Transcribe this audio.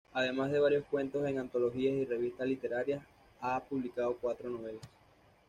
Además de varios cuentos en antologías y revistas literarias ha publicado cuatro novelas.